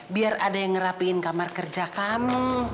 biar ada yang ngerapiin kamar kerja kamu